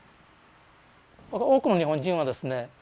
多くの日本人はですね